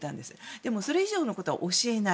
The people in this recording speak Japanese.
でもそれ以上のことは教えない。